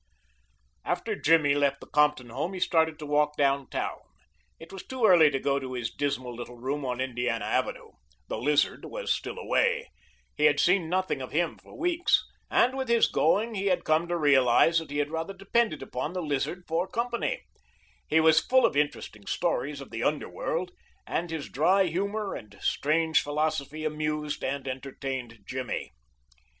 After Jimmy left the Compton home he started to walk down town. It was too early to go to his dismal little room on Indiana Avenue. The Lizard was still away. He had seen nothing of him for weeks, and with his going he had come to realize that he had rather depended upon the Lizard for company. He was full of interesting stories of the underworld and his dry humor and strange philosophy amused and entertained Jimmy.